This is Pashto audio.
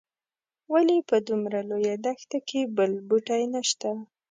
ولې په دومره لویه دښته کې بل بوټی نه شته.